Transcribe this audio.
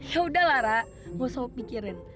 yaudah ra lo soal pikirin